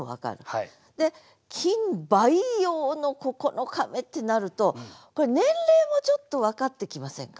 で「菌培養の９日目」ってなるとこれ年齢もちょっと分かってきませんか。